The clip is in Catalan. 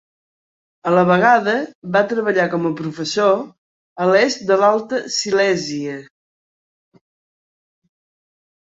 A la vegada, va treballar com a professor a l'est de l'Alta Silèsia.